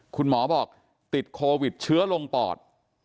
คุณหมอบอกติดโควิดเชื้อลงปอด